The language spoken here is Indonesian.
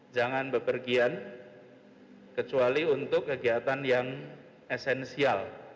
jangan bepergian kecuali untuk kegiatan yang esensial